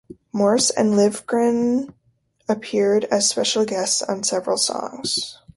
Morse and Livgren appeared as special guests on several songs.